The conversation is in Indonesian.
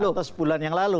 atau sebulan yang lalu